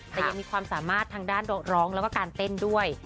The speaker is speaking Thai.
แต่ยังมีความสามารถทางด้านร้องแล้วก็การเต้นด้วย